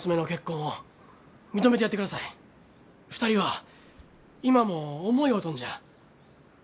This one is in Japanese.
２人は今も思い合うとんじゃ。